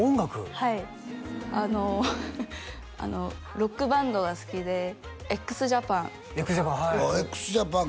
はいロックバンドが好きでＸＪＡＰＡＮＸＪＡＰＡＮ